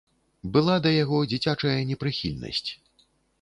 Была да яго дзіцячая непрыхільнасць.